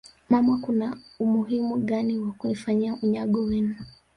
mama Kuna umuhimu gani wa kunifanyia unyago wenu